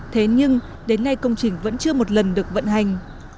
thế nhưng đến nay công trình vẫn chưa một lần được vận hành